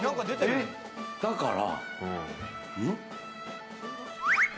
だから。